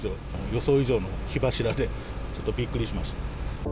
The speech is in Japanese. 予想以上の火柱で、ちょっとびっくりしました。